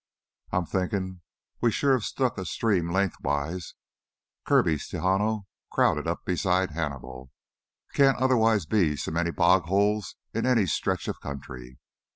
"I'm thinkin' we sure have struck a stream lengthwise." Kirby's Tejano crowded up beside Hannibal. "Can't otherwise be so many bog holes in any stretch of country.